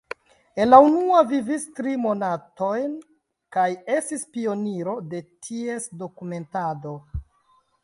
En la unua vivis tri monatojn kaj estis pioniro de ties dokumentado.